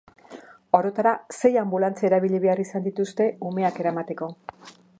Orotara sei anbulantzia erabili behar izan dituzte umeak eramateko.